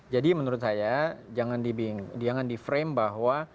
jadi menurut saya jangan di frame bahwa